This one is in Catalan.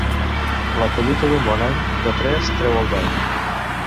La collita d'un bon any, de tres treu el dany.